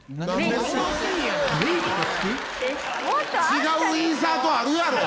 違うインサートあるやろ！